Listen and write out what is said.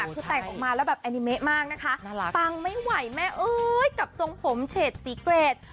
คือแต่งออกมาแล้วแบบแอนิเมะมากนะคะปังไม่ไหวแม่เอ้ยกับทรงผมเฉดสีเกรด